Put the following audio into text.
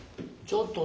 ちょっと！